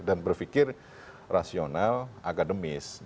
dan berpikir rasional akademis